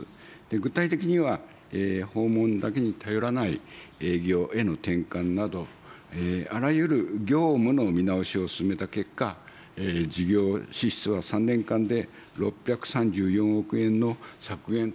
具体的には、訪問だけに頼らない営業への転換など、あらゆる業務の見直しを進めた結果、事業支出は３年間で６３４億円の削減と相成ってございます。